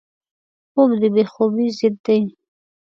خوب د بې خوبۍ ضد دی